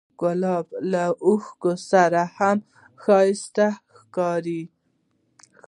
ګلاب له اوښکو سره هم ښایسته ښکاري.